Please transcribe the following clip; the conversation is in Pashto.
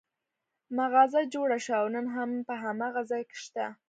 مغازه جوړه شوه او نن هم په هماغه ځای کې شته.